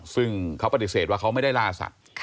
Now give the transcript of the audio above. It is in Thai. ซึ่งเขาปฏิเสธว่าเขาไม่ได้ล่าสัตว์